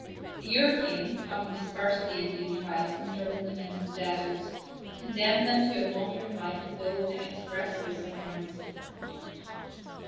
The Europeans, having dispersed the Indian tribes and driven them into the deserts, condemned them to a wandering life full of inexpressible sufferings.